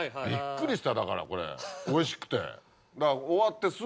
びっくりしただからこれおいしくて。